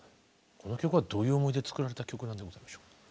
この曲はどういう思いで作られた曲なんでございましょう。